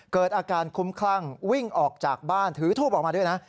เกิดอาการคุ้มคลั่งวิ่งออกจากบ้านถือทูปออกมาด้วยนะ